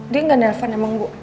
dia gak nelfon emang bu